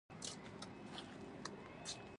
د ښکلا د ساتنې لارې